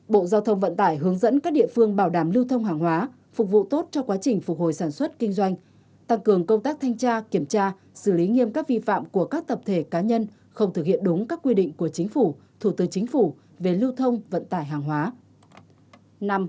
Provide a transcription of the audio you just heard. bộ giao thông vận tải hướng dẫn các địa phương bảo đảm lưu thông hàng hóa phục vụ tốt cho quá trình phục hồi sản xuất kinh doanh tăng cường công tác thanh tra kiểm tra xử lý nghiêm các vi phạm của các tập thể cá nhân không thực hiện đúng các quy định của chính phủ thủ tư chính phủ về lưu thông vận tải hàng hóa